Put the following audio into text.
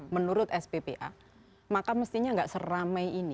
menurut sppa maka mestinya nggak seramai ini